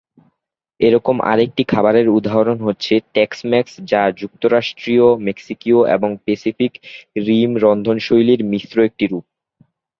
এরকম আরেকটি খাবারের উদাহরণ হচ্ছে টেক্স-মেক্স যা যুক্তরাষ্ট্রীয়, মেক্সিকীয় এবং প্যাসিফিক রিম রন্ধনশৈলীর মিশ্র একটি রূপ।